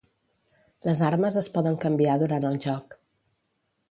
Les armes es poden canviar durant el joc.